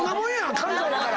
関西やから。